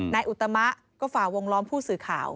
นายอุตมากษ์ก็ฝ่าวงล้อมผู้สื่อข่าว